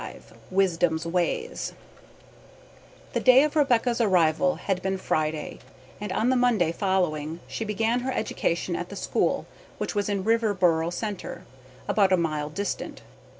V WISDOM'S WAYS The day of Rebecca's arrival had been Friday, and on the Monday following she began her education at the school which was in Riverboro Centre, about a mile distant.